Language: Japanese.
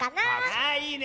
あっいいね。